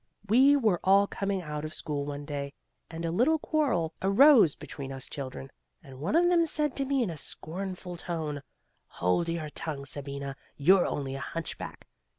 We were all coming out of school one day, and a little quarrel arose between us children, and one of them said to me in a scornful tone, 'Hold your tongue, Sabina, you're only a hunchback.'